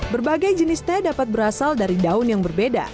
berbagai jenis teh dapat berasal dari daun yang berbeda